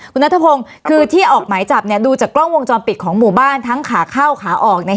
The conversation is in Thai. คุณนัทพงศ์คือที่ออกหมายจับเนี่ยดูจากกล้องวงจรปิดของหมู่บ้านทั้งขาเข้าขาออกเนี่ย